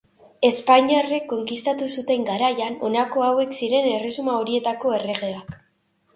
Espainiarrek konkistatu zuten garaian, honako hauek ziren erresuma horietako erregeak.